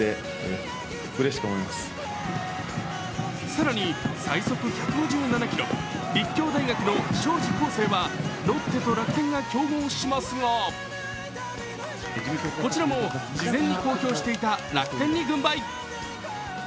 更に、最速１５０キロ、立教大学の荘司康誠はロッテと楽天が競合しますがこちらも事前に公表していた楽天に軍配。